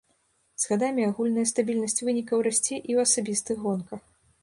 З гадамі агульная стабільнасць вынікаў расце і ў асабістых гонках.